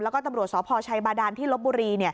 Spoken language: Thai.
แล้วก็ตำรวจสพชัยบาดานที่ลบบุรี